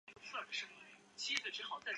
是世界上人口第二多的国家。